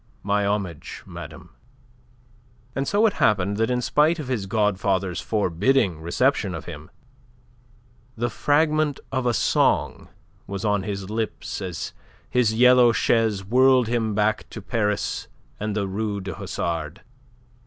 My homage, madame." And so it happened that in spite of his godfather's forbidding reception of him, the fragment of a song was on his lips as his yellow chaise whirled him back to Paris and the Rue du Hasard.